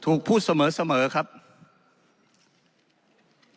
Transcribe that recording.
ถูกพูดเสมอเสมอครับกับเจ้าข้าภารกิจ